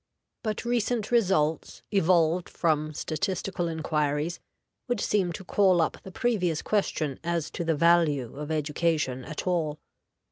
But recent results, evolved from statistical inquiries, would seem to call up the previous question as to the value of education at all.